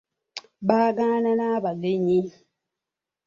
Bagaana n'abagenyi